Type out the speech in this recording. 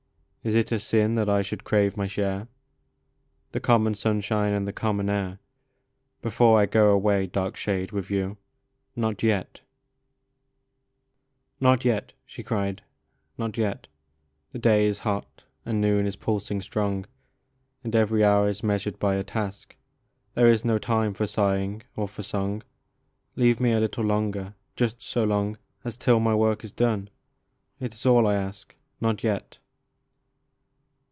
Is it a sin that I should crave my share, The common sunshine and the common air, / Before I go away, dark shade, with you ? Not yet !" Not yet," she cried, " not yet ! The day is hot, and noon is pulsing strong, And every hour is measured by a task ; There is no time for sighing or for song. Leave me a little longer, just so long As till my work is done, t is all I ask. Not yet